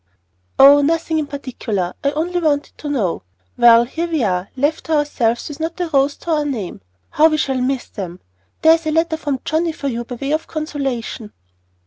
"Oh, nothing in particular. I only wanted to know. Well, here we are, left to ourselves with not a Rose to our name. How we shall miss them! There's a letter from Johnnie for you by way of consolation."